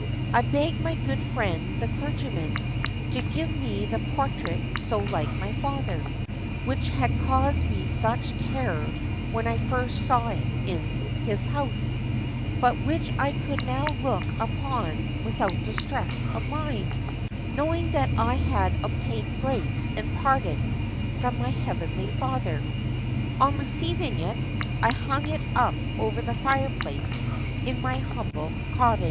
I begged my good friend the clergyman to give me the portrait so like my father, which had caused me such terror when I first saw it in his house, but which I could now look upon without distress of mind, knowing that I had obtained grace and pardon from my heavenly Father. On receiving it, I hung it up over the fireplace in my humble cottage."